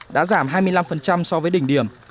đã giảm hai mươi năm so với đỉnh điểm